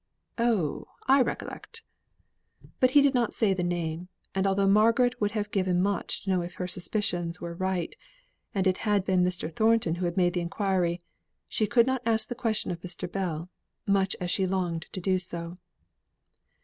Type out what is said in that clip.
Oh! I recollect!" But he did not say the name; and although Margaret would have given much to know if her suspicions were right, and it had been Mr. Thornton who had made the enquiry, she could not ask the question of Mr. Bell, much as she longed to do so.